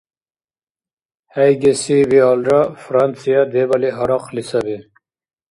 ХӀейгеси биалра, Франция дебали гьарахъли саби.